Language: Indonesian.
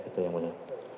itu yang mulia